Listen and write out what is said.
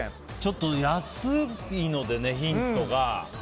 ちょっと安いのでね、ヒントが。